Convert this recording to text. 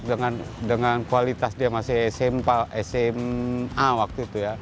dan dengan kualitas dia masih sma waktu itu ya